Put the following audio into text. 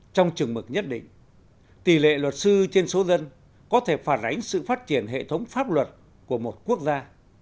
trong trừng mực nhất định tỷ lệ luật sư trên số dân có thể phản ánh sự phát triển hệ thống pháp luật của một quốc gia